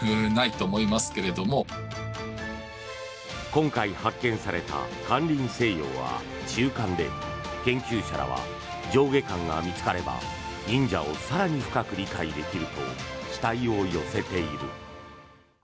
今回、発見された「間林清陽」は中巻で研究者らは上下巻が見つかれば忍者を更に深く理解できると期待を寄せている。